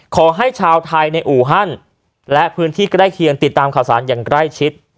ขอให้ชาวไทยในอู่ฮั่นและพื้นที่ใกล้เคียงติดตามข่าวสารอย่างใกล้ชิด